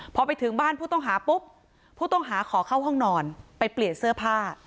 พอไปถึงบ้านผู้ต้องหาปุ๊บผู้ต้องหาขอเข้าห้องนอนไปเปลี่ยนเสื้อผ้า